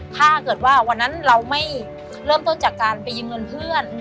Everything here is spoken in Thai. ถ้าเกิดว่าวันนั้นเราไม่เริ่มต้นจากการไปยืมเงินเพื่อน